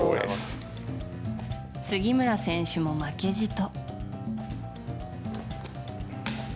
杉村選手も負けじと。